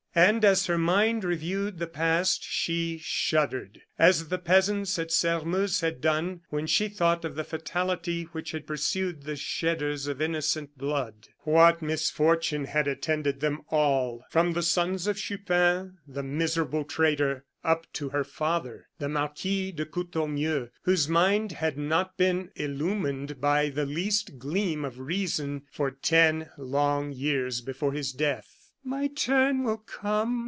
And as her mind reviewed the past she shuddered, as the peasants at Sairmeuse had done, when she thought of the fatality which had pursued the shedders of innocent blood. What misfortune had attended them all from the sons of Chupin, the miserable traitor, up to her father, the Marquis de Courtornieu, whose mind had not been illumined by the least gleam of reason for ten long years before his death. "My turn will come!"